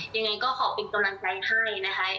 ยังไงก็ขอเป็นกำลังใจให้นะคะ